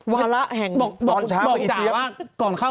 วาระแห่งตอนเช้า